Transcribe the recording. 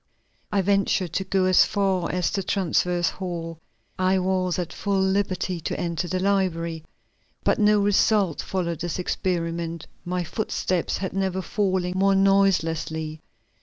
I ventured to go as far as the transverse hall, I was at full liberty to enter the library. But no result followed this experiment; my footsteps had never fallen more noiselessly.